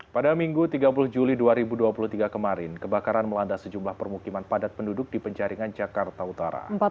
pada minggu tiga puluh juli dua ribu dua puluh tiga kemarin kebakaran melanda sejumlah permukiman padat penduduk di penjaringan jakarta utara